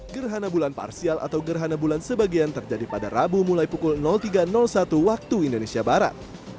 gerhana bulan parsial atau gerhana bulan sebagian terjadi pada rabu mulai pukul tiga satu waktu indonesia barat